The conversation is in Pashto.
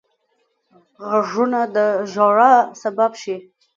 غوږونه د ژړا سبب شي